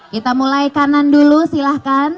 kita mulai kanan dulu silahkan